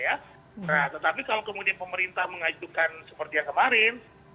nah tetapi kalau kemudian pemerintah mengajukan seperti yang kemarin